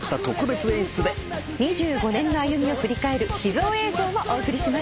２５年の歩みを振り返る秘蔵映像もお送りします。